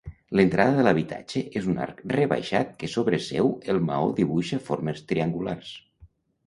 L'entrada de l'habitatge és un arc rebaixat que sobre seu el maó dibuixa formes triangulars.